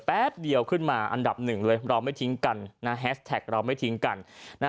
แป๊บเดียวขึ้นมาอันดับหนึ่งเลยเราไม่ทิ้งกันแฮสแท็กเราไม่ทิ้งกัน